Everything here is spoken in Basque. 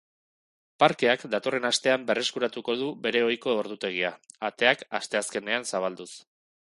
Parkeak datorren astean berreskuratuko du bere ohiko ordutegia, ateak asteazkenean zabalduz.